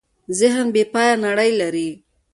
ذهن بېپایه نړۍ لري.